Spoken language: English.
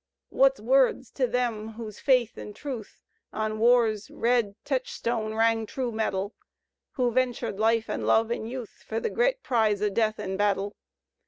Wut's words to them whose faith an' truth On War's red techstone rang true metal. Who ventered life an' love an' youth For the gret prize o' death in battle?